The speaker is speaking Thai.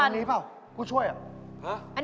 อันนี้เปล่าผู้ช่วยเหรอ